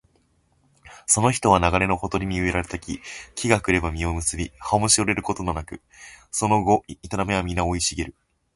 その人は流れのほとりに植えられた木、時が来れば実を結び、葉もしおれることがなく、その業はみな生い茂る